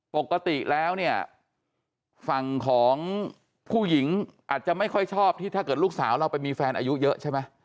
ปกติแล้วเนี่ยฝั่งของผู้หญิงอาจจะไม่ค่อยชอบที่ถ้าเกิดลูกสาวเราไปมีแฟนอายุเยอะใช่ไหม